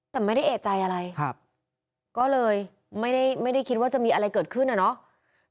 แต่ไม่ได้เอกใจอะไรก็เลยไม่ได้คิดว่าจะมีอะไรเกิดขึ้นอะเนาะ